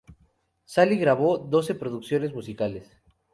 Sally grabó doce producciones musicales.